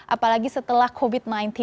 apalagi setelah covid sembilan belas